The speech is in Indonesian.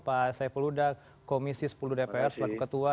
pak saiful uda komisi sepuluh dpr selangor ketua